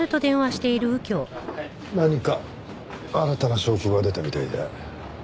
何か新たな証拠が出たみたいで。